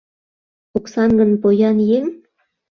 Оксан гын поян еҥ?